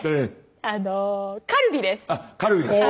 あのカルビですか。